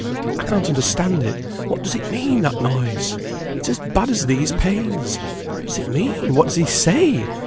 I can't understand it. What does it mean, that noise? It's as bad as these pains. What does it mean? What does he say?